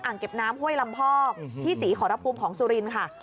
เก็บน้ำห้วยลำพอกที่ศรีขอรภูมิของสุรินทร์ค่ะ